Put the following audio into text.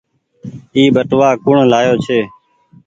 اي ٻٽوآ ڪوڻ لآيو ڇي۔